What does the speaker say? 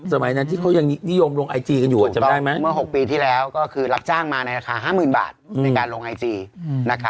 สมัยนั้นที่เขายังนิยมลงไอจีกันอยู่จำได้ไหมเมื่อ๖ปีที่แล้วก็คือรับจ้างมาในราคา๕๐๐๐บาทในการลงไอจี